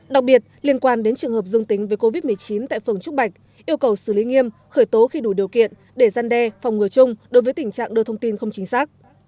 đặc biệt liên quan đến trường hợp dương tính với covid một mươi chín tại phường trúc bạch yêu cầu xử lý nghiêm khởi tố khi đủ điều kiện để gian đe phòng ngừa chung đối với tình trạng đưa thông tin không chính xác